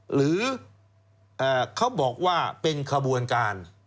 หรือเขาบอกว่าเป็นขบวนการ